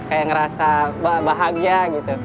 kayak ngerasa bahagia gitu